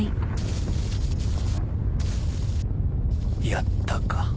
やったか